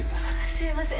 すいません。